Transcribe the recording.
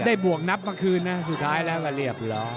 ได้บวกนับมาคืนนะสุดท้ายแล้วกันเรียบ